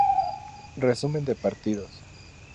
Resumen de partidos